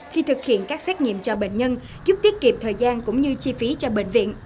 khi thực hiện các xét nghiệm cho bệnh nhân giúp tiết kiệm thời gian cũng như chi phí cho bệnh viện